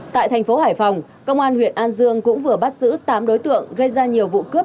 tại thành phố hải phòng công an huyện an dương cũng vừa bắt giữ tám đối tượng gây ra nhiều vụ cướp